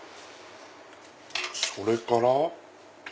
それから。